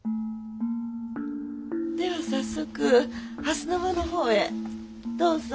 では早速蓮の間のほうへどうぞ。